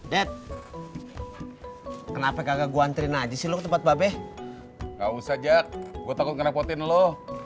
det kenapa kagak guantrin aja sih lo tempat babe nggak usah jack gue takut kerepotin lo